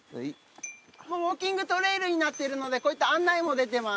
ウオーキングトレイルになっているのでこういった案内も出てます。